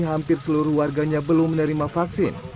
hampir seluruh warganya belum menerima vaksin